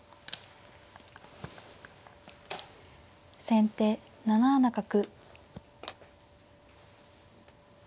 先手７七角。